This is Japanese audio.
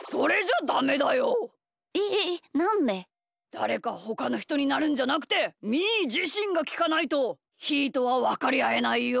だれかほかのひとになるんじゃなくてみーじしんがきかないとひーとはわかりあえないよ。